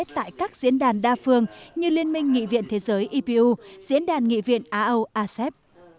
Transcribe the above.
tại các diễn đàn đa phương như liên minh nghị viện thế giới epu diễn đàn nghị viện á âu asep